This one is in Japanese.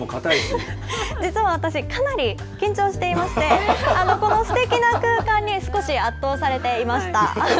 実は私、かなり緊張していまして、このすてきな空間に、少し圧倒されていました。